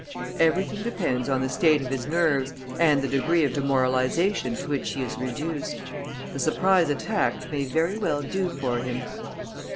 "Everything depends on the state of his nerves and the degree of demoralization to which he is reduced. A surprise attack may very well do for him."